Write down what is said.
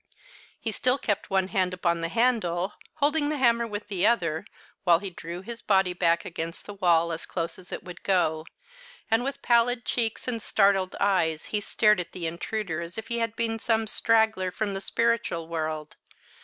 He still kept one hand upon the handle, holding the hammer with the other, while he drew his body back against the wall as close as it would go, and, with pallid cheeks and startled eyes, he stared at the intruder as if he had been some straggler from the spiritual world.